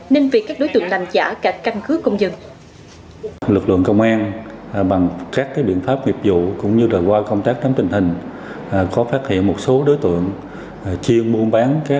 nên việc các đối tượng làm giả cả căn cứ công dân